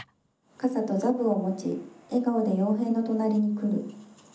笠と座部を持ち笑顔で陽平の隣に来る。